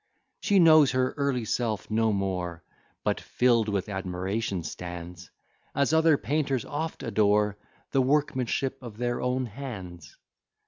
She knows her early self no more, But fill'd with admiration stands; As other painters oft adore The workmanship of their own hands.